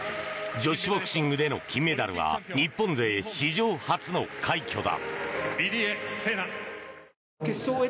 女子ボクシングでの金メダルは日本勢史上初の快挙だ。